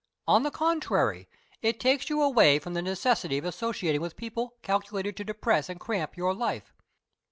On the contrary, it takes you away from the necessity of associating with people calculated to depress and cramp your life.